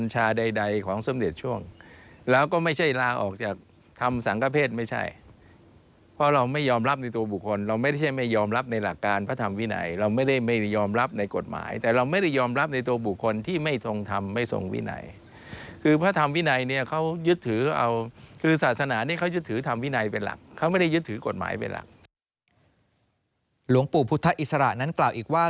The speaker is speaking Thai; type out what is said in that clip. หลวงปู่พุทธอิสระนั้นกล่าวอีกว่า